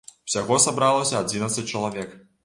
Усяго сабралася адзінаццаць чалавек.